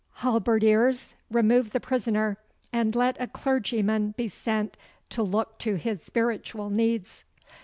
Halberdiers, remove the prisoner, and let a clergyman be sent to look to his spiritual needs!